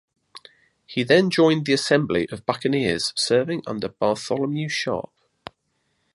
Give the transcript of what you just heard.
He then joined the assembly of buccaneers serving under Bartholomew Sharpe.